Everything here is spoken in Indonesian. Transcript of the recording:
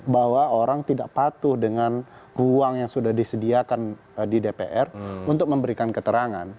bahwa orang tidak patuh dengan ruang yang sudah disediakan di dpr untuk memberikan keterangan